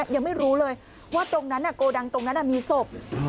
ยังไม่รู้เลยว่าตรงนั้นโกดังตรงนั้นมีศพ